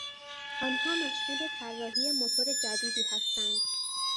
آنها مشغول طراحی موتور جدیدی هستند.